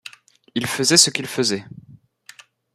Il faisait ce qu’il faisait.